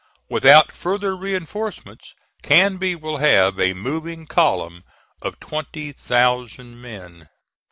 Without further reinforcements Canby will have a moving column of twenty thousand men.